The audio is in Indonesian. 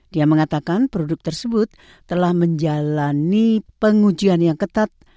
dia mengatakan produk tersebut telah menjalani pengujian yang ketat